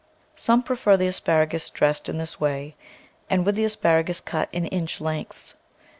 Some prefer the asparagus dressed in this way and with the asparagus cut in inch lengths.